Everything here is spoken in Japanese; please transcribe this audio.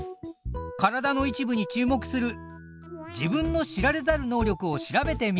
体の一部に注目する自分の知られざる能力を調べてみる